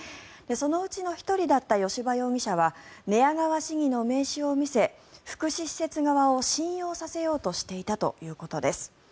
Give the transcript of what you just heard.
そのうちの１人だった吉羽容疑者は寝屋川市議の名刺を見せ福祉施設側を信用させようとしていたということです。